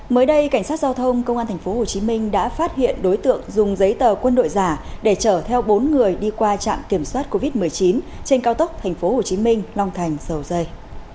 mới đây cảnh sát giao thông công an tp hcm đã phát hiện đối tượng dùng giấy tờ quân đội giả để chở theo bốn người đi qua trạm kiểm soát covid một mươi chín trên cao tốc tp hcm long thành dầu dây